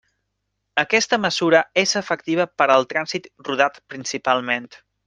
Aquesta mesura és efectiva per al trànsit rodat principalment.